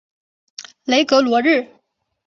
雷格罗日。